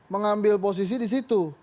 mengambil posisi di situ